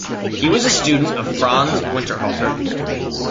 He was a student of Franz Winterhalter.